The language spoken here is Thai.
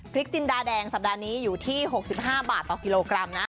จินดาแดงสัปดาห์นี้อยู่ที่๖๕บาทต่อกิโลกรัมนะ